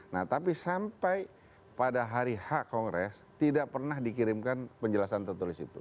nah tapi sampai pada hari hak kongres tidak pernah dikirimkan penjelasan tertulis itu